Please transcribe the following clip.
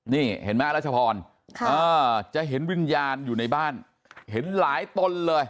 นี่เห็นไหมรัชพรจะเห็นวิญญาณอยู่ในบ้านเห็นหลายตนเลย